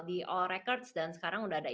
di all records dan sekarang udah ada